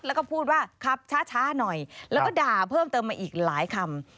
แล้วก็พูดว่าขับช้าหน่อยแล้วก็ด่าเพิ่มเติมมาอีกหลายคำ